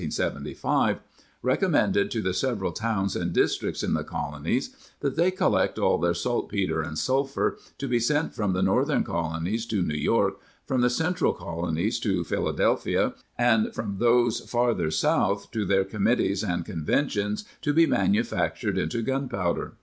Congress, on June lo, 1775, recommended to the several towns and districts in the Colonies that they col lect all their saltpetre and sulphur, to be sent from the northern colonies to New York, from the central colonies to Philadelphia, and from those farther south to their committees and con ventions to be manufactured into gunpowder.